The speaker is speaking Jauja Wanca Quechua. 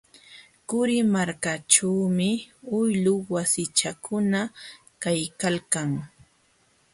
Qurimarkaćhuumi uylu wasichakuna kaykalkan.